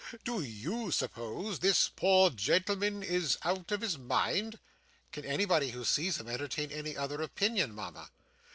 Do YOU suppose this poor gentleman is out of his mind?' 'Can anybody who sees him entertain any other opinion, mama?